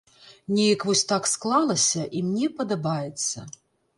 Неяк вось так склалася і мне падабаецца.